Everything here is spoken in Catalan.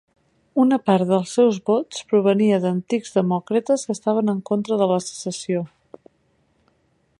Una part dels seus vots provenia d'antics demòcrates que estaven en contra de la secessió.